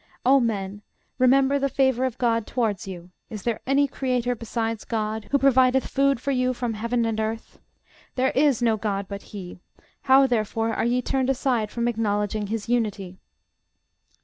O men, remember the favor of GOD towards you: is there any creator, besides GOD, who provideth food for you from heaven and earth? There is no GOD but he: how therefore are ye turned aside _from acknowledging his unity?